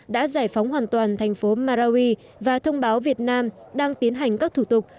đã giải phóng hoàn toàn thành phố marawi và thông báo việt nam đang tiến hành các thủ tục